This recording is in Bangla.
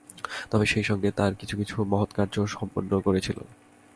তবে সেই সঙ্গে তারা কিছু কিছু মহৎকার্যও সম্পন্ন করেছিল।